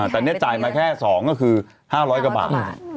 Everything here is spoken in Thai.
แต่นี่จ่ายมาแค่๒ก็คือ๕๐๐กว่าบาท